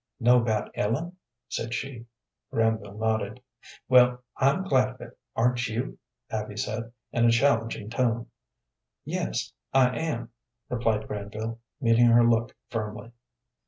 "Know about Ellen?" said she. Granville nodded. "Well, I'm glad of it, aren't you?" Abby said, in a challenging tone. "Yes, I am," replied Granville, meeting her look firmly.